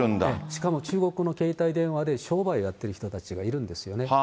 しかも中国の携帯電話で、商売やってる人たちがいるんですよね。